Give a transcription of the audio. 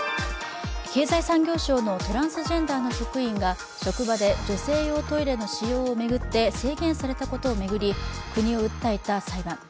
経済産業省のトランスジェンダーの職員が職場で女性用トイレの使用を巡って制限されたことを巡り国を訴えた裁判。